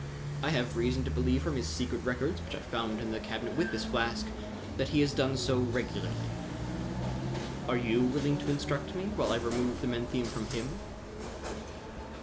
I have reason to believe from his secret records which I found in the cabinet with this flask that he has done so regularly. Are you willing to instruct me while I remove the menthium from him?"